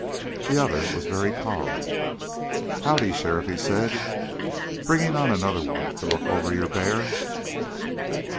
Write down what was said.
The other was very calm. "Howdy, sheriff," he said. "Bringing on another one to look over your bear?"